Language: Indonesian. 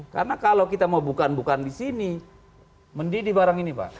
karena kalau kita mau bukaan bukaan di sini mendi di barang ini pak